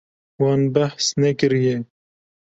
Wan behs nekiriye.